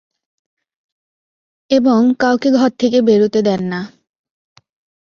এবং কাউকে ঘর থেকে বেরুতে দেন না।